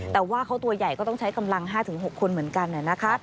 แต่ว่าเขาตัวใหญ่ก็ต้องใช้กำลัง๕๖คนเหมือนกันนะคะ